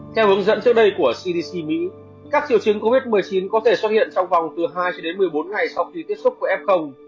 theo hướng dẫn trước đây của cdc mỹ các triệu chứng covid một mươi chín có thể xuất hiện trong vòng từ hai cho đến một mươi bốn ngày sau khi tiếp xúc với f